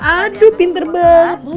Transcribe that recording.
aduh pinter banget